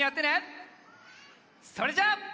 それじゃあ。